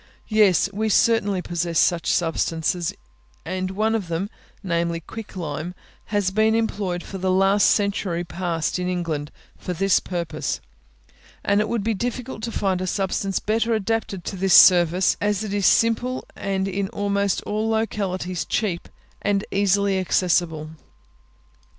Yes: we certainly possess such substances, and one of them, namely, quick lime, has been employed for the last century past in England for this purpose; and it would be difficult to find a substance better adapted to this service, as it is simple, and in almost all localities cheap and easily accessible.